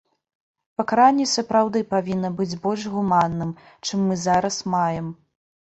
Пакаранне сапраўды павінна быць больш гуманным, чым мы зараз маем.